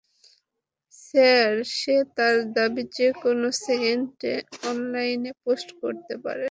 Sir, সে তার দাবি যেকোনো সেকেন্ডে অনলাইন পোস্ট করতে পারে।